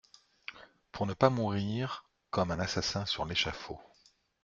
Pour ne pas mourir, comme un assassin sur l’échafaud.